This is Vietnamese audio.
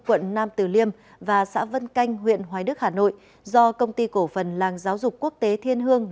quận nam tử liêm và xã vân canh huyện hoài đức hà nội do công ty cổ phần làng giáo dục quốc tế thiên hương